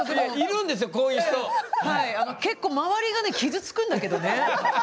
結構周りがね傷つくんだけどね。